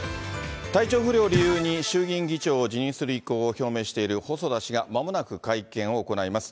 体調不良を理由に衆議院議長を辞任する意向を表明している細田氏が、まもなく会見を行います。